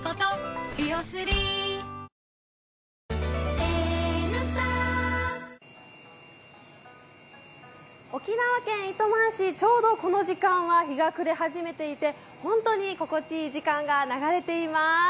えええぇ⁉ＬＧ２１沖縄県糸満市、ちょうどこの時間は日が暮れ始めていて本当に心地いい時間が流れています。